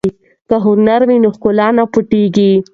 که هنر وي نو ښکلا نه پټیږي.